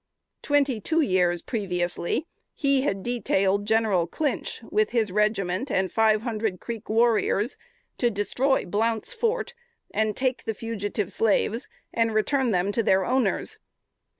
Twenty two years previously, he had detailed General Clinch, with his regiment and five hundred Creek warriors, to destroy "Blount's Fort," and take the fugitive slaves and return them to their owners.